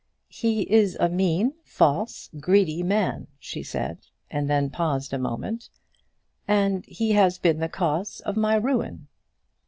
"He is a mean, false, greedy man," she said, and then paused a moment; "and he has been the cause of my ruin."